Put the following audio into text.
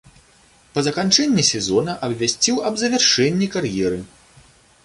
Па заканчэнні сезона абвясціў аб завяршэнні кар'еры.